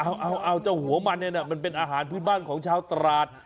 เอาเจ้าหัวมันเนี่ยนะมันเป็นอาหารพื้นบ้านของชาวตราด